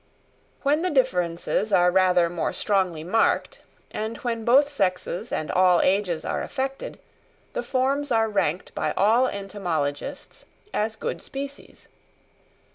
When the differences are rather more strongly marked, and when both sexes and all ages are affected, the forms are ranked by all entomologists as good species.